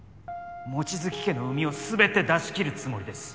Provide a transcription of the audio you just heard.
望月家の膿を全て出し切るつもりです。